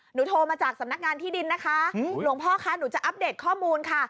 โทรมาจากสำนักงานที่ดินนะคะหลวงพ่อคะหนูจะอัปเดตข้อมูลค่ะ